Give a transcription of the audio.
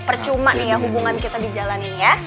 percuma nih ya hubungan kita di jalan ini ya